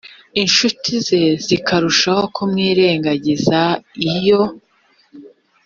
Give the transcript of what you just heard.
incuti ze zikarushaho kumwirengagiza iyo